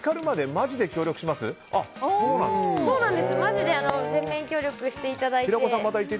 マジで全面協力していただいて。